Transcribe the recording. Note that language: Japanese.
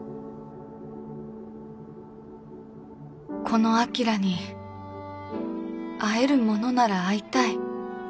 この晶に会えるものなら会いたい